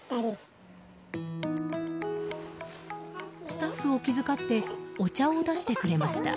スタッフを気遣ってお茶を出してくれました。